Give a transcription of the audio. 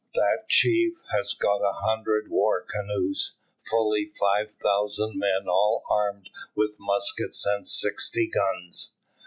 That chief has got a hundred war canoes, fully five thousand men all armed with muskets, and sixty guns.